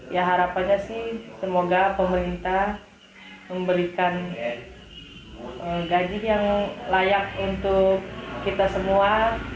ya harapannya sih semoga pemerintah memberikan gaji yang layak untuk kita semua